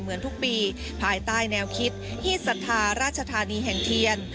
เหมือนทุกปีภายใต้แนวคิดที่ศรัทธาราชธานีแห่งเทียน